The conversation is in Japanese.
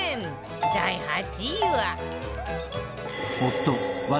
第８位は